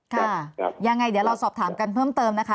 ค่ะยังไงเดี๋ยวเราสอบถามกันเพิ่มเติมนะคะ